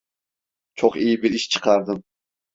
Çok iyi bir iş çıkardın.